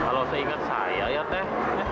kalau seingat saya ya teh